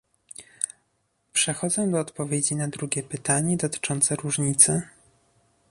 Przechodzę do odpowiedzi na drugie pytanie dotyczące różnicy